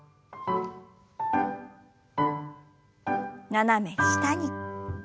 斜め下に。